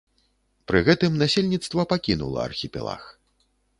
Пры гэтым насельніцтва пакінула архіпелаг.